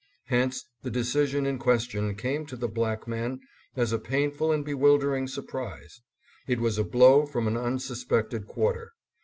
Hence the decision in ques tion came to the black man as a painful and bewilder ing surprise. It was a blow from an unsuspected quarter.